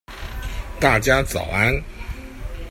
大家早安